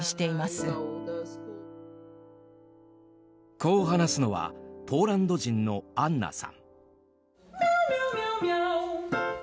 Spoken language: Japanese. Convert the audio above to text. こう話すのはポーランド人のアンナさん。